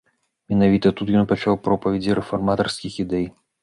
Менавіта тут ён пачаў пропаведзі рэфарматарскіх ідэй.